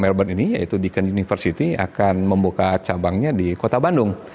melbourne ini yaitu deacon university akan membuka cabangnya di kota bandung